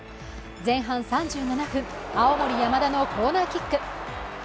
前半３７分、青森山田のコーナーキック。